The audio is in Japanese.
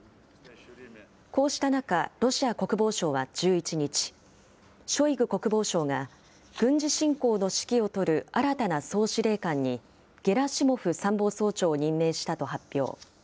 こうした中、ロシア国防省は１１日、ショイグ国防相が軍事侵攻の指揮を執る新たな総司令官に、ゲラシモフ参謀総長を任命したと発表。